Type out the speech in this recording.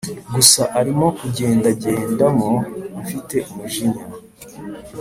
gusa arimo kugendagendamo afite umujinya